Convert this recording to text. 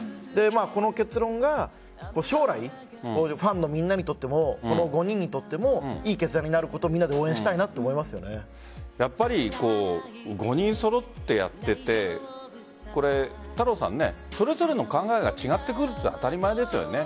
この結論が将来ファンのみんなにとってもこの５人にとっても良い決断になることをみんなでやっぱり５人揃ってやっていてそれぞれの考えが違ってくるのは当たり前ですよね。